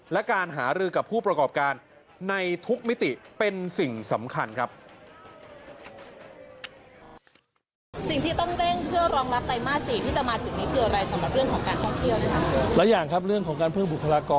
และการหารือกับผู้ประกอบการในทุกมิติเป็นสิ่งสำคัญครับ